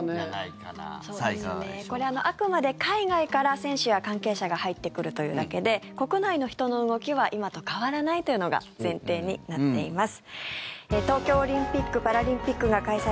これ、あくまで海外から選手や関係者が入ってくるというだけで国内の人の動きは今と変わらないというのが前提になっています。